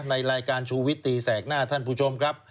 ในรายการชูวิตตีแสกหน้าท่านผู้ชมครับ